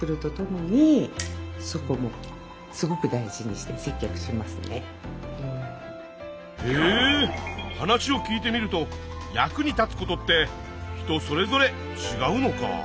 やっぱりお話へえ話を聞いてみると役に立つことって人それぞれちがうのか。